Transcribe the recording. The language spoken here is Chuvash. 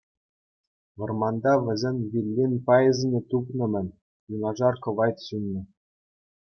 Вӑрманта вӗсен виллин пайӗсене тупнӑ-мӗн, юнашар кӑвайт ҫуннӑ.